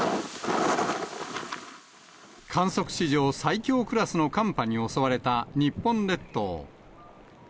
観測史上最強クラスの寒波に襲われた日本列島。